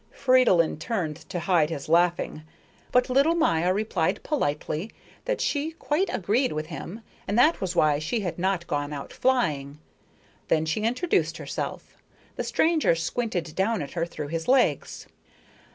Fridolin turned to hide his laughing, but little Maya replied politely that she quite agreed with him and that was why she had not gone out flying. Then she introduced herself. The stranger squinted down at her through his legs.